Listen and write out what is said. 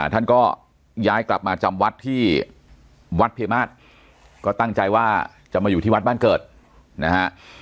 ท่านก็ย้ายกลับมาจำวัดที่วัดเพมาศก็ตั้งใจว่าจะมาอยู่ที่วัดบ้านเกิดนะฮะ